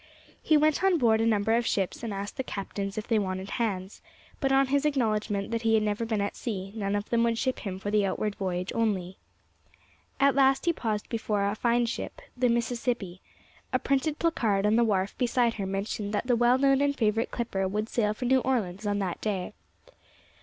He went on board a number of ships and asked the captains if they wanted hands, but on his acknowledgment that he had never been at sea, none of them would ship him for the outward voyage only. At last he paused before a fine ship, the Mississippi; a printed placard on the wharf beside her mentioned that the well known and favourite clipper would sail for New Orleans on that day.